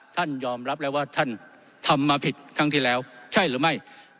ท่านยอมรับแล้วว่าท่านทำมาผิดครั้งที่แล้วใช่หรือไม่